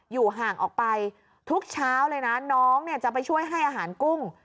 อยู่ห่างออกไปทุกเช้าเลยนะน้องเนี่ยจะไปช่วยให้อาหารกุ้ง